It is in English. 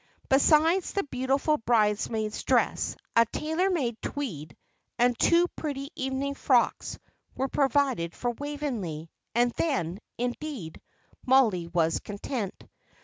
Besides the beautiful bridesmaid's dress, a tailor made tweed, and two pretty evening frocks were provided for Waveney; and then, indeed, Mollie was content.